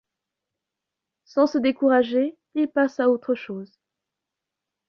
Sans se décourager, ils passent à autre chose.